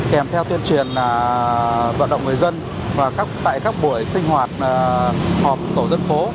kèm theo tuyên truyền vận động người dân tại các buổi sinh hoạt họp tổ dân phố